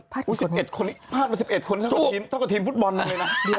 พลาดกับ๑๑คนต้องกระทีมฟุตบอลเลยนะ